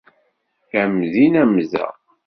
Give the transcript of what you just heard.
Am din am da.